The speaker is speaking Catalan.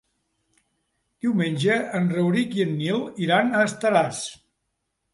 Diumenge en Rauric i en Nil iran a Estaràs.